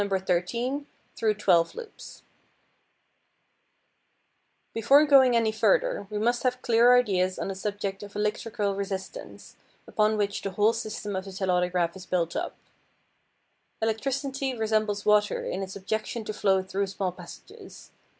13, through twelve loops. [Illustration: THE TELAUTOGRAPH] Before going any further we must have clear ideas on the subject of electrical resistance, upon which the whole system of the telautograph is built up. Electricity resembles water in its objection to flow through small passages.